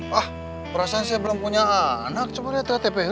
wah perasaan saya belum punya anak coba lihat ya tipe tipe